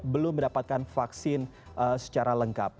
belum mendapatkan vaksin secara lengkap